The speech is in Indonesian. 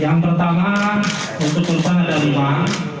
yang pertama untuk perusahaan ada ruang